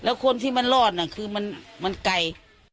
แล้วคนที่มันรอดน่ะคือมันไกล